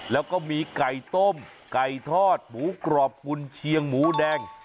แล้วก็มีไก่ต้มไก่ทอดหมูกรอบกุญเชียงหมูแดง